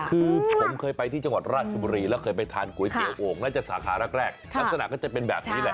คือผมเคยไปที่จังหวัดราชบุรีแล้วเคยไปทานก๋วยเตี๋ยวโอ่งน่าจะสาขาแรกลักษณะก็จะเป็นแบบนี้แหละ